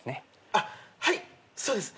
あっはいそうです。